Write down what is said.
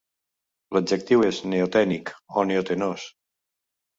L'adjectiu és "neotènic" o "neotenós".